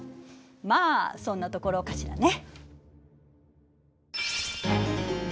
まあそんなところかしらね。